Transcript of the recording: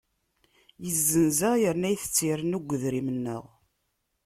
Izzenz-aɣ yerna itett irennu deg wedrim-nneɣ.